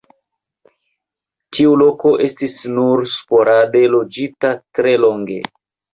Tiu loko estis nur sporade loĝita tre longe.